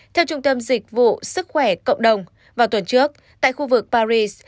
theo trung tâm dịch vụ sức khỏe cộng đồng vào tuần trước tại khu vực paris